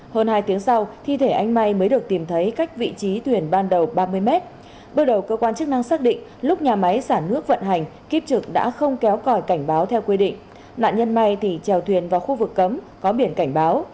hơn hai tiếng sau thi thể anh may mới được tìm thấy cách vị trí thuyền ban đầu ba mươi mét bước đầu cơ quan chức năng xác định lúc nhà máy sản nước vận hành kiếp trực đã không kéo còi cảnh báo theo quy định nạn nhân may thì trèo thuyền vào khu vực cấm có biển cảnh báo